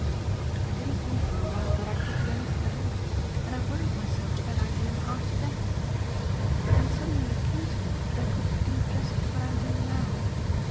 I didn't think for a while that I could do anything at all, and I worried myself with that idea half to death. Then suddenly it came to me that I could do just what I'm doing now.